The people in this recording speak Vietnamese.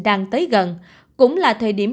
đang tới gần cũng là thời điểm